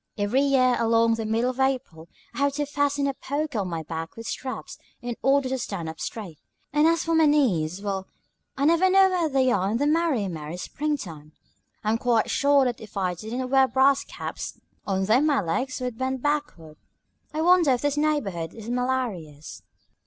Every year along about the middle of April I have to fasten a poker on my back with straps, in order to stand up straight; and as for my knees well, I never know where they are in the merry, merry spring time. I'm quite sure that if I didn't wear brass caps on them my legs would bend backward. I wonder if this neighborhood is malarious."